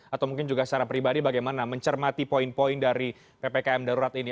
atau mungkin juga secara pribadi bagaimana mencermati poin poin dari ppkm darurat ini